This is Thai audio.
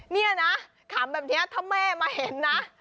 นี่นะขำแบบนี้ถ้าแม่มาเห็นนะ